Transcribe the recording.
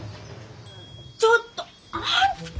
ちょっとあんた！